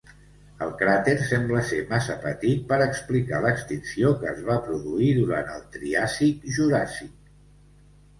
El cràter sembla ser massa petit per explicar l'extinció que es va produir durant el Triàsic-Juràssic.